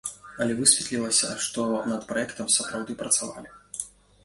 Але высветлілася, што над праектам сапраўды працавалі.